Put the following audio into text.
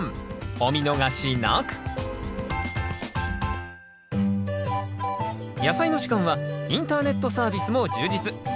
お見逃しなく「やさいの時間」はインターネットサービスも充実。